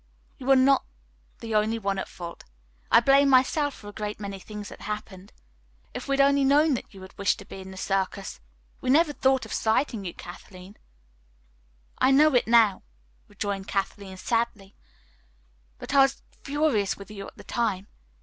"You are not the only one at fault. I blame myself for a great many things that happened. If we had only known that you wished to be in the circus. We never thought of slighting you, Kathleen." "I know it now," rejoined Kathleen sadly, "but I was furious with you at the time.